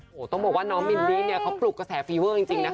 โอ้โหต้องบอกว่าน้องมิลลี่เนี่ยเขาปลุกกระแสฟีเวอร์จริงนะคะ